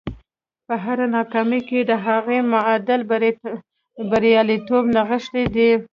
په هره ناکامۍ کې د هغې معادل بریالیتوب نغښتی دی